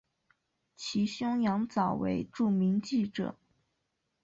其兄羊枣为著名记者。